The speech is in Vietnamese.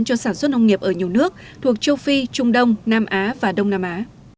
cho sản xuất nông nghiệp ở nhiều nước thuộc châu phi trung đông nam á và đông nam á